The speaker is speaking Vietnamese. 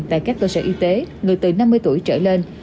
tại các cơ sở y tế người từ năm mươi tuổi trở lên